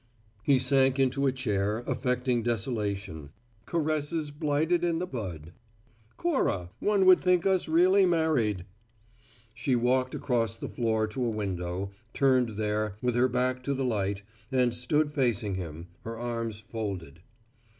He sank into a chair, affecting desolation. "Caresses blighted in the bud! Cora, one would think us really married." She walked across the floor to a window, turned there, with her back to the light, and stood facing him, her arms folded.